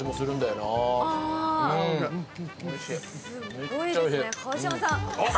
すごいですね、川島さん。